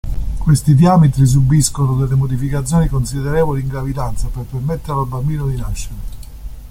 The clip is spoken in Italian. Questi diametri subiscono delle modificazioni considerevoli in gravidanza per permettere al bambino di nascere.